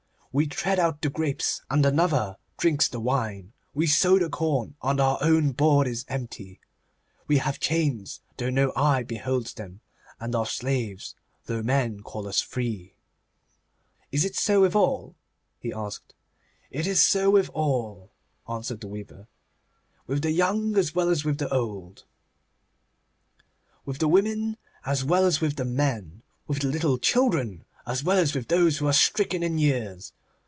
We tread out the grapes, and another drinks the wine. We sow the corn, and our own board is empty. We have chains, though no eye beholds them; and are slaves, though men call us free.' 'Is it so with all?' he asked, 'It is so with all,' answered the weaver, 'with the young as well as with the old, with the women as well as with the men, with the little children as well as with those who are stricken in years.